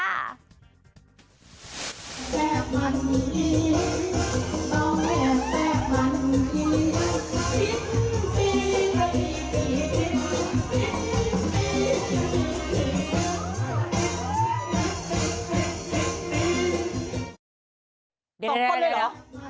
๒ต้นเลยเหรอ